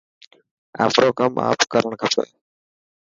آپرو ڪم آپ ڪرڻ کپي.